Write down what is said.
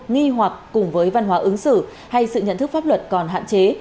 nghi hoặc cùng với văn hóa ứng xử hay sự nhận thức pháp luật còn hạn chế